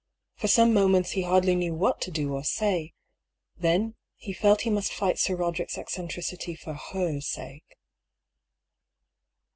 For some moments he hardly knew what to do or say ; then he felt he must fight Sir Roderick's eccentricity for her sake.